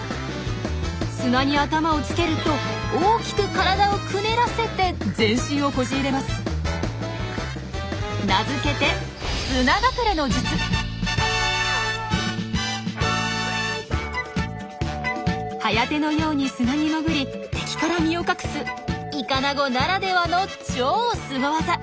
砂に頭をつけると大きく体をくねらせて全身をこじ入れます名付けて疾風のように砂に潜り敵から身を隠すイカナゴならではの超スゴ技！